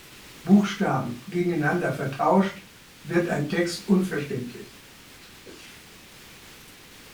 Buchstaben gegeneinander vertauscht, wird ein Text unverständlich.